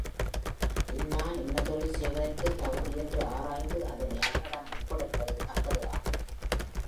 இன்னான் இன்ன தொழில் செய்வதற்குத் தகுதி என்று ஆராய்ந்து அதனை அவனிடம் ஒப்படைப்பது தக்கது ஆகும்.